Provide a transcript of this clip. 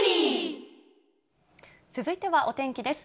続いてはお天気です。